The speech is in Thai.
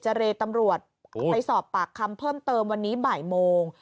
เรตำรวจไปสอบปากคำเพิ่มเติมวันนี้บ่ายโมง